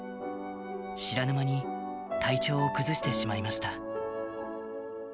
知らぬ間に体調を崩してしまいました。